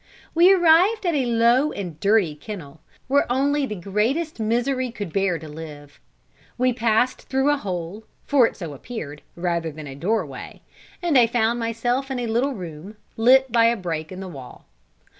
We arrived at a low and dirty kennel, where only the greatest misery could bear to live. We passed through a hole, for so it appeared, rather than a doorway, and I found myself in a little room, lit by a break in the wall.